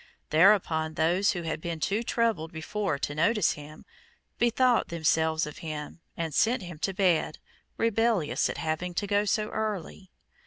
Thereupon those who had been too troubled before to notice him, bethought themselves of him, and sent him to bed, rebellious at having to go so early.